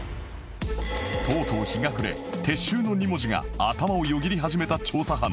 とうとう日が暮れ「撤収」の２文字が頭をよぎり始めた調査班